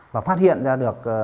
và phát hiện ra được